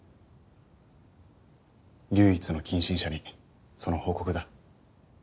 唯一の近親者にその報告だ。